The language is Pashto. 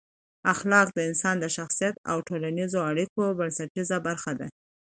اخلاق د انسان د شخصیت او ټولنیزو اړیکو بنسټیزه برخه ده.